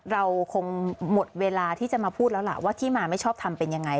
เราคงหมดเวลาที่จะมาพูดแล้วล่ะว่าที่มาไม่ชอบทำเป็นยังไง